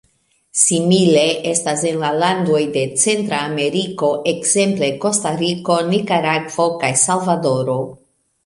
Simile estas en la landoj de Centra Ameriko, ekzemple Kostariko, Nikaragvo kaj Salvadoro.